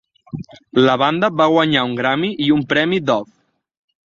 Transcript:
La banda va guanyar un Grammy i un premi Dove.